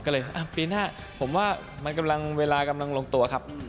ก็เลยปีหน้าผมว่าเวลากำลังลงตัวครับ